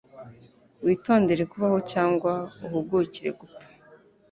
Witondere kubaho cyangwa uhugukire gupfa.”